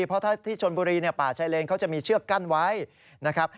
เพราะถ้าที่ชนบุรีป่าชายเลนเขาจะมีเชือกกั้นไว้นะครับ